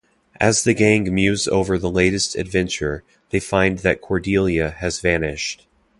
As the gang muse over the latest adventure, they find that Cordelia has vanished.